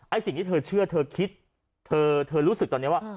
ไอ้สิ่งที่เธอเชื่อทะคิดเธอรู้สึกตอนนี้ว่า